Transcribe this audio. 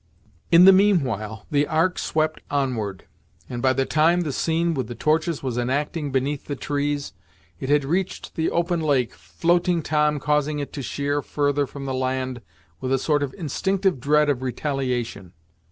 In the mean while the Ark swept onward, and by the time the scene with the torches was enacting beneath the trees, it had reached the open lake, Floating Tom causing it to sheer further from the land with a sort of instinctive dread of retaliation.